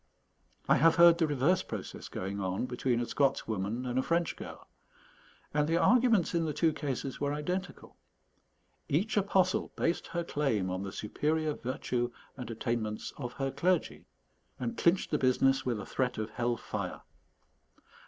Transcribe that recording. I have heard the reverse process going on between a Scots woman and a French girl; and the arguments in the two cases were identical. Each apostle based her claim on the superior virtue and attainments of her clergy, and clinched the business with a threat of hell fire.